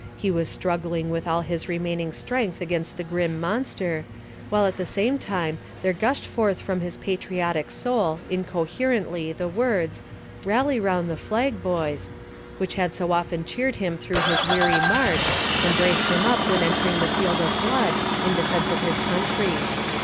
He was struggling with all his remaining strength against the grim monster, while at the same time there gushed forth from his patriotic soul incoherently the words: 'Rally round the flag, boys,' which had so often cheered him through his weary march, and braced him up when entering the field of blood in defense of his country.